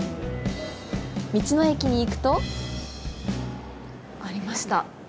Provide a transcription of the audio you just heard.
道の駅に行くとありました。